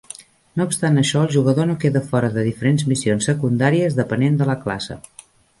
No obstant això, el jugador no queda fora de diferents missions secundàries depenent de la classe.